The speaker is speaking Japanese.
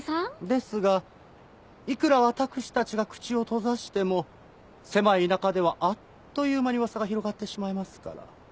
ですがいくらわたくしたちが口を閉ざしても狭い田舎ではあっという間に噂が広がってしまいますから。